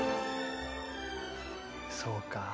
そうか。